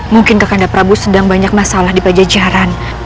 mungkin ke kanda prabu sedang banyak masalah di pajajaran